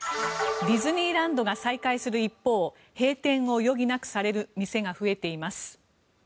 ディズニーランドが再開する一方閉店を余儀なくされる店が増えています。